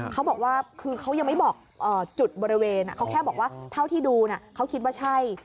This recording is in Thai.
เขาบอกว่าคือเขายังไม่บอกจุดบริเวณเขาแค่บอกว่าเท่าที่ดูเขาคิดว่าใช่